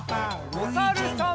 おさるさん。